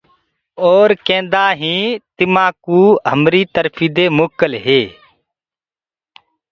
اور ڪيندآ هينٚ ڪي تمآڪوُ همري ترڦيٚ دي موڪل هو۔